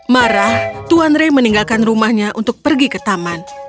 marah tuan rey meninggalkan rumahnya untuk pergi ke taman